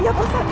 iya pak ustadz